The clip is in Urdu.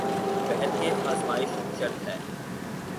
بہرکیف آزمائش شرط ہے ۔